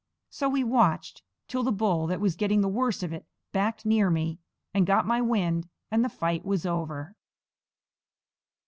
So we watched, till the bull that was getting the worst of it backed near me, and got my wind, and the fight was over.